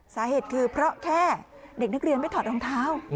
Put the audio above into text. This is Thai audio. สาเหตุคือเพราะแค่เด็กนักเรียนไม่ถอดรองเท้า